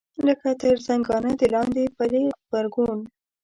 لکه تر زنګانه د لاندې پلې غبرګون.